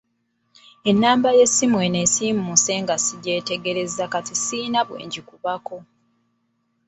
Ennamba y'essimu eno esiimuuse nga sigyetegereza kati siyina bwe ngikubako.